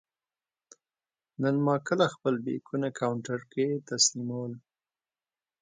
نن ما کله خپل بېکونه کاونټر کې تسلیمول.